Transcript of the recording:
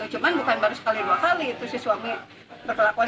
cuma bukan baru sekali dua kali itu si suami berkelakuan